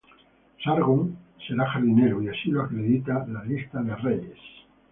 Sargón será jardinero, y así lo acredita la Lista de Reyes.